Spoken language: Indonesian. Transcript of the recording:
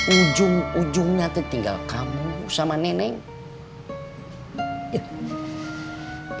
ujung ujungnya tertinggal kamu sama nenek